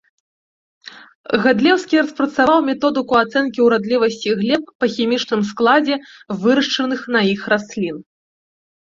Гадлеўскі распрацаваў методыку ацэнкі урадлівасці глеб па хімічным складзе вырашчаных на іх раслін.